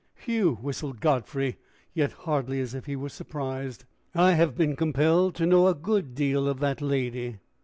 "Whew!" whistled Godfrey, yet hardly as if he were surprised. "I have been compelled to know a good deal of that lady."